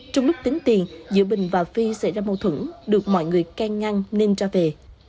trong lúc tính tiền giữa bình và phi xảy ra mâu thuẫn được mọi người can ngăn nên ra về